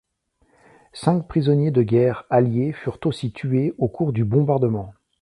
Cinq prisonniers de guerre alliés furent aussi tués au cours du bombardement.